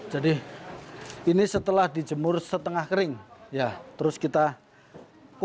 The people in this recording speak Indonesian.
jadi ini setelah dijemur setengah kering ya terus kita kukus